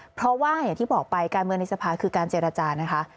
เพราะว่าอย่างที่บอกไปการเมืองในสภาคือการเจรจานะคะ